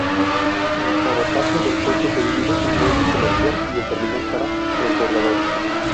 El cabotaje del puerto se divide en Muelle Comercial y en Terminal para Transbordadores.